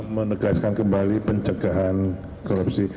menegaskan kembali pencegahan korupsi